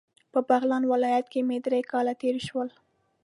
په بغلان ولایت کې مې درې کاله تیر شول.